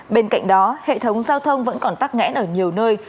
bên cạnh đó hệ thống giao thông vẫn còn tắc nghẽn ở nhiều nơi